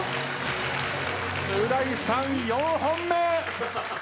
う大さん４本目！